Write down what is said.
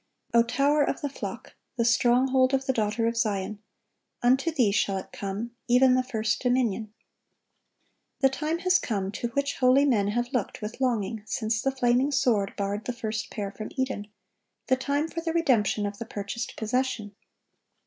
"O tower of the flock, the stronghold of the daughter of Zion, unto thee shall it come, even the first dominion."(1175) The time has come, to which holy men have looked with longing since the flaming sword barred the first pair from Eden,—the time for "the redemption of the purchased possession."